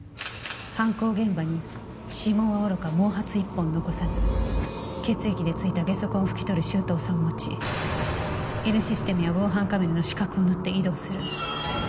犯行現場に指紋はおろか毛髪一本残さず血液でついたゲソ痕を拭き取る周到さを持ちＮシステムや防犯カメラの死角を縫って移動する。